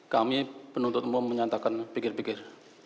kami penuntut umum menyatakan pikir pikir